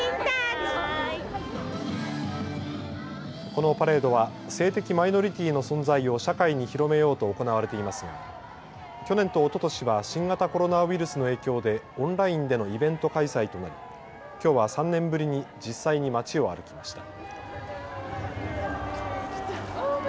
このパレードは性的マイノリティーの存在を社会に広めようと行われていますが去年とおととしは新型コロナウイルスの影響でオンラインでのイベント開催となりきょうは３年ぶりに実際に街を歩きました。